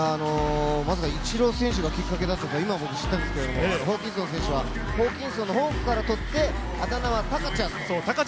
まさかイチロー選手がきっかけだったとは今、知ったんですけれども、ホーキンソン選手はホーキンソンのホークからとって、あだ名はタカちゃん。